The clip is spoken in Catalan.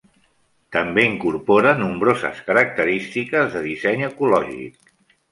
També incorpora nombroses característiques de disseny ecològic.